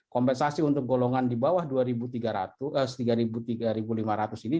kompensasi untuk golongan di bawah dua tiga lima ratus ini